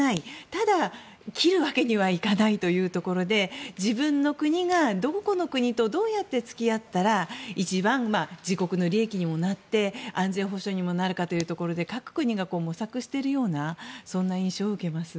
ただ、切るわけにはいかないというところで自分の国が、どこの国とどうやって付き合ったら一番、自国の利益にもなって安全保障にもなるかというところで各国が模索しているようなそんな印象を受けます。